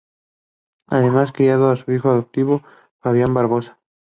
Además criaron a un hijo adoptivo, Fabián Barbosa.